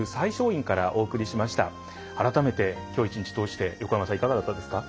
改めて今日一日通して横山さんいかがだったですか？